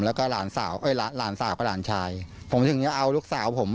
แล้วก็หลานสาวก็หลานชายผมถึงจะเอาลูกสาวผม